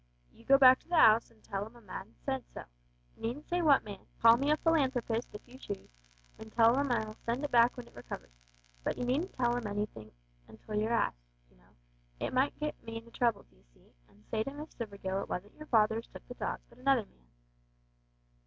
You go back to the 'ouse and tell 'em a man said so. You needn't say what man; call me a philanthropist if you choose, an' tell 'em I'll send it back w'en it recovers. But you needn't tell 'em anything until you're axed, you know it might get me into trouble, d'ee see, an' say to Miss Stivergill it wasn't your father as took the dog, but another man."